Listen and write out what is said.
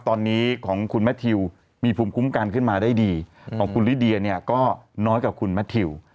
ตอนนี้ของคุณแมททิวมีภูมิคุ้มกันขึ้นมาได้ดีของคุณลิเดียเนี่ยก็น้อยกว่าคุณแมททิว